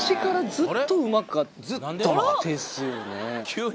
ずっとうまかったですよね